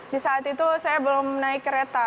di saat itu saya belum naik kereta